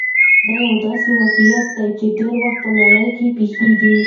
دا يو داسې واقعيت دی چې ډېری وخت په نړۍ کې پېښېږي.